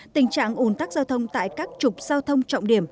tình trạng ủn tắc giao thông tại các trục giao thông trọng điểm